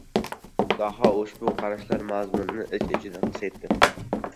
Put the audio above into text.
Daho ushbu qarashlar mazmunini ich-ichidan his etdi.